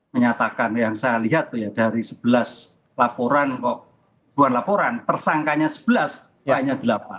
menyatakan yang saya lihat dari sebelas laporan kok dua laporan tersangkanya sebelas kayaknya delapan